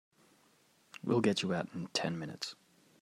We'll get you out in ten minutes.